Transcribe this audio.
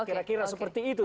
kira kira seperti itu